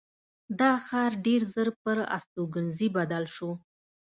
دا ښار ډېر ژر پر استوګنځي بدل شو.